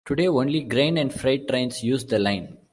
Today, only grain and freight trains use the line.